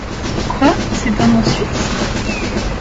Quoi, c’est un nom suisse !